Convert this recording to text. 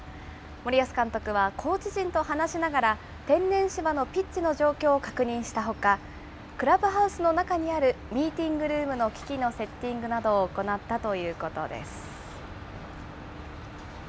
森保監督はコーチ陣と話しながら、天然芝のピッチの状況を確認したほか、クラブハウスの中にあるミーティングルームの機器のセッティングなどを行ったということです。